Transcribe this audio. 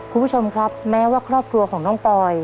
คุณผู้ชมครับแม้ว่าครอบครัวของน้องปอย